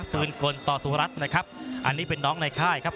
ปืนกลต่อสุรัตน์นะครับอันนี้เป็นน้องในค่ายครับ